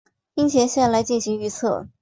樱前线来进行预测。